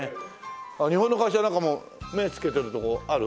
日本の会社なんかも目つけてるとこある？